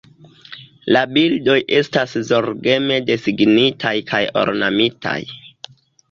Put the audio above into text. La bildoj estas zorgeme desegnitaj kaj ornamitaj.